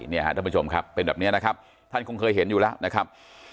ท่านผู้ชมครับเป็นแบบนี้นะครับท่านคงเคยเห็นอยู่แล้วนะครับ